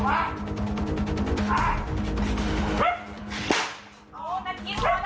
นักจิตเจ็บหรือนักจิต